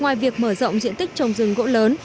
ngoài việc mở rộng diện tích trồng rừng gỗ lớn